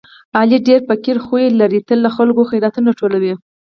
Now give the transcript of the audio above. علي ډېر فقیر خوی لري، تل له خلکو خیراتونه ټولوي.